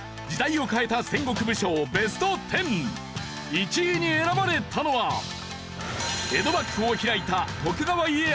１位に選ばれたのは江戸幕府を開いた徳川家康か？